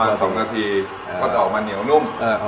๒นาทีก็จะออกมาเหนียวนุ่ม